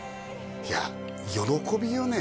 いや喜びをね